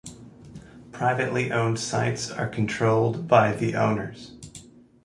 Privately owned sites are controlled by the owners.